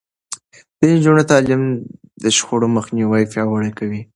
د نجونو تعليم د شخړو مخنيوی پياوړی کوي.